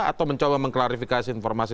atau mencoba mengklarifikasi informasi